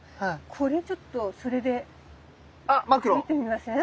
これちょっとそれで見てみません？